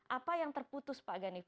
apa yang terputus pak ganif